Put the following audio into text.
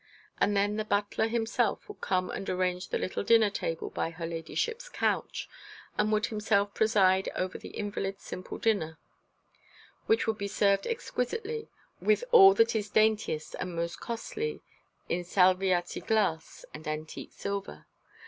And then the butler himself would come and arrange the little dinner table by her ladyship's couch, and would himself preside over the invalid's simple dinner, which would be served exquisitely, with all that is daintiest and most costly in Salviati glass and antique silver.